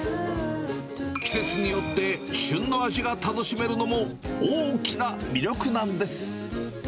季節によって旬の味が楽しめるのも大きな魅力なんです。